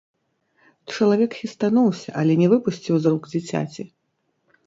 Чалавек хістануўся, але не выпусціў з рук дзіцяці.